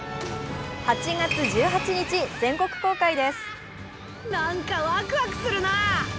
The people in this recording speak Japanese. ８月１８日全国公開です。